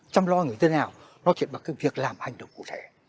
chăm lo người dân nào nói chuyện bằng cái việc làm hành động cụ thể